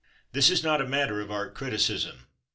This is not a matter of art criticism.